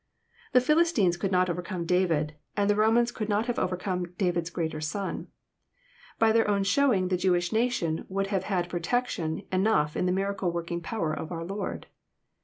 The Philistines could not overcome David, and the Romans could not have overcome David's greater Son. By their own showing, the Jewish nation would have had protection enough in the miracle working power of onr Lord.